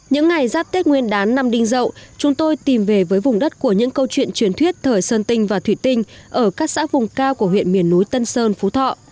những ngày giáp tết nguyên đán năm đinh dậu chúng tôi tìm về với vùng đất của những câu chuyện truyền thuyết thời sơn tinh và thủy tinh ở các xã vùng cao của huyện miền núi tân sơn phú thọ